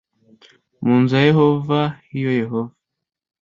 mu nzu ya yehova h iyo yehova